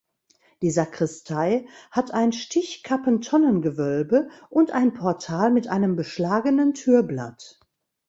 Die Sakristei hat ein Stichkappentonnengewölbe und ein Portal mit einem beschlagenen Türblatt.